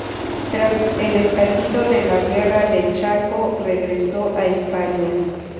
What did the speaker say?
Tras el estallido de la Guerra del Chaco, regresó a España.